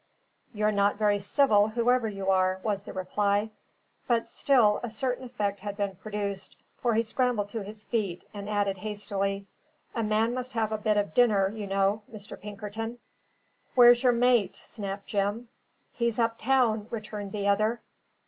"You're not very civil, whoever you are," was the reply. But still a certain effect had been produced, for he scrambled to his feet, and added hastily, "A man must have a bit of dinner, you know, Mr. Pinkerton." "Where's your mate?" snapped Jim. "He's up town," returned the other.